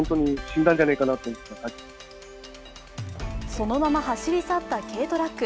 そのまま走り去った軽トラック。